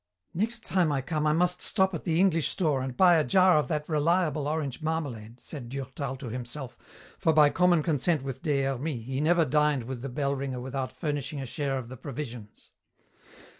"Next time I come I must stop at the English store and buy a jar of that reliable orange marmalade," said Durtal to himself, for by common consent with Des Hermies he never dined with the bell ringer without furnishing a share of the provisions.